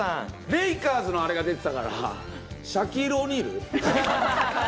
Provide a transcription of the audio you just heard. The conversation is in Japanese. レイカーズのアレが出てたから、シャキール・オニール？